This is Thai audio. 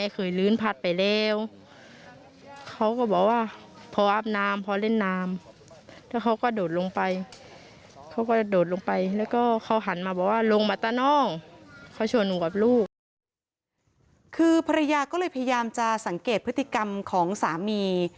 คือภรรยาก็เลยพยายามจะสังเกตพฤติกรรมของสามี